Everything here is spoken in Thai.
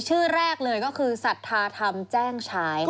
ชื่อแรกเลยก็คือสัทธาธรรมแจ้งฉาย